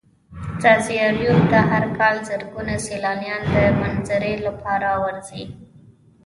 ځاځي اريوب ته هر کال زرگونه سيلانيان د منظرو لپاره ورځي.